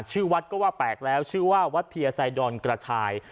ชื่อวัดก็ว่าแปลกแล้วชื่อว่าวัดเพียไซดอนกระชาย